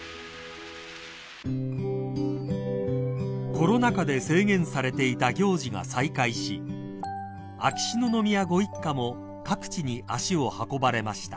［コロナ禍で制限されていた行事が再開し秋篠宮ご一家も各地に足を運ばれました］